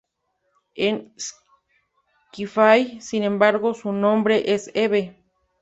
En "Skyfall", sin embargo, su nombre es Eve.